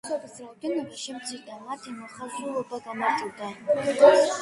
ასოების რაოდენობა შემცირდა, მათი მოხაზულობა გამარტივდა.